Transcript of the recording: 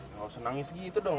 nggak usah nangis gitu dong